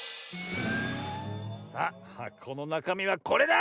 さあはこのなかみはこれだ！